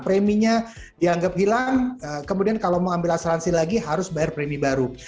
preminya dianggap hilang kemudian kalau mau ambil asuransi lagi harus bayar premi baru